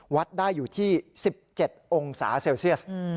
วัดได้อยู่ที่๑๗องศาเซลเซียส